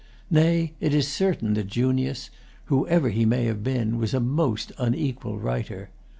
Nay, it is certain that Junius, whoever he may have been, was a most unequal writer.